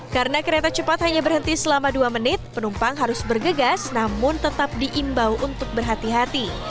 karena kereta cepat hanya berhenti selama dua menit penumpang harus bergegas namun tetap diimbau untuk berhati hati